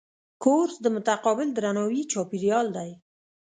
کورس د متقابل درناوي چاپېریال دی.